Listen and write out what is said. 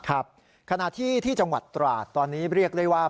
ครับขณะที่ที่จังหวัดตราดตอนนี้เรียกได้ว่า